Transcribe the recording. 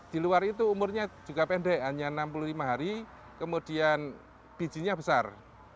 di luar itu umurnya juga pendek hanya enam puluh lima hari kemudian bijinya besar